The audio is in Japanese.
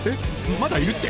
まだいるって？